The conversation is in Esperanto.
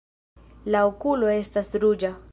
La okulo estas ruĝa.